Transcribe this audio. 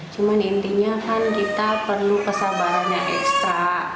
cuman intinya kan kita perlu kesabaran yang ekstra